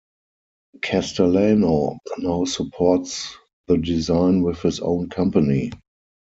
Castellano now supports the design with his own company.